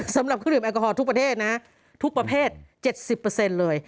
สำหรับเครื่องดื่แอลกอฮอลทุกประเทศนะทุกประเภท๗๐เลย